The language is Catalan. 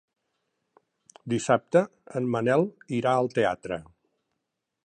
Dissabte en Manel irà al teatre.